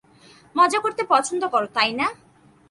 মজা করতে পছন্দ করো, তাই না?